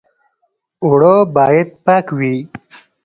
اوړه باید پاک وي